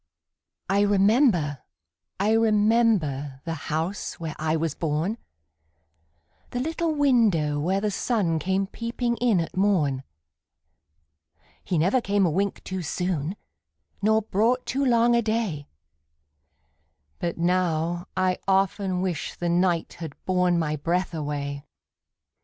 I remember, I remember, The house where I was born, The little window where the sun Came peeping in at morn; He never came a wink too soon, Nor brought too long a day, But now, I often wish the night Had borne my breath away!